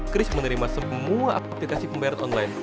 chris menerima semua aplikasi pembayaran online